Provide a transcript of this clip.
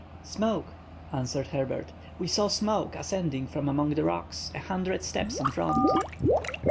"Smoke," answered Herbert. "We saw smoke ascending from among the rocks, a hundred steps in front."